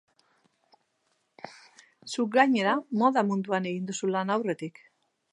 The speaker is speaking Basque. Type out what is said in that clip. Zuk, gainera, moda munduan egin duzu lan aurretik.